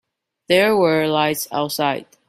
There were lights outside.